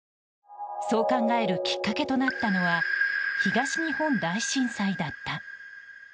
そう考えるきっかけとなったのは東日本大震災だった。